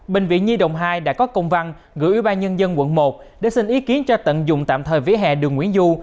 bệnh viện nhi đồng hai đã có công văn gửi ủy ban nhân dân quận một để xin ý kiến cho tận dụng tạm thời vỉa hè đường nguyễn du